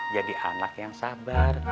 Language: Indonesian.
jadi anak yang sabar